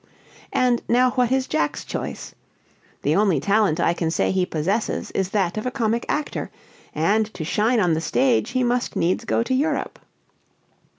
"And now what is Jack's choice? The only talent I can say he possesses is that of a comic actor, and to shine on the stage he must needs go to Europe."